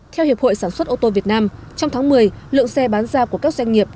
theo hiệp hội sản xuất ô tô việt nam trong tháng một mươi lượng xe bán ra của các doanh nghiệp